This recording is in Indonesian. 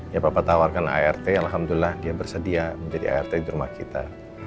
ya bapak tawarkan art alhamdulillah dia bersedia menjadi art di rumah kita